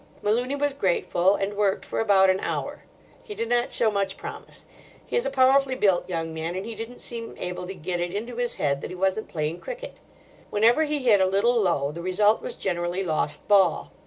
Malooney was grateful, and worked for about an hour. He did not show much promise. He is a powerfully built young man, and he didn't seem able to get it into his head that he wasn't playing cricket. Whenever he hit a little low the result was generally lost ball.